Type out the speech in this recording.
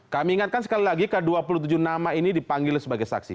kami ingatkan sekali lagi ke dua puluh tujuh nama ini dipanggil sebagai saksi